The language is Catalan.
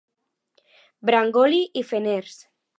Brangolí i Feners.